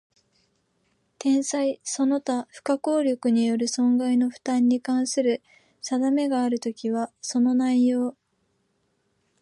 天災その他不可抗力による損害の負担に関する定めがあるときは、その内容